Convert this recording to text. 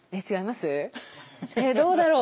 えっどうだろう。